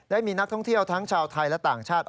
ได้มีนักท่องเที่ยวทั้งชาวไทยและต่างชาติ